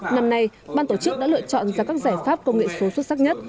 năm nay ban tổ chức đã lựa chọn ra các giải pháp công nghệ số xuất sắc nhất